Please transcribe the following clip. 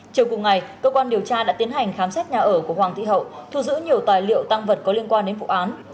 chiều cùng ngày cơ quan điều tra đã tiến hành khám xét nhà ở của hoàng thị hậu thu giữ nhiều tài liệu tăng vật có liên quan đến vụ án